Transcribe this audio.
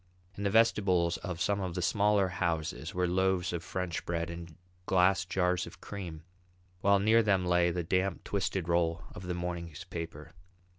In the vestibules of some of the smaller houses were loaves of French bread and glass jars of cream, while near them lay the damp twisted roll of the morning's paper.